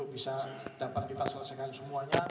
bisa dapat kita selesaikan semuanya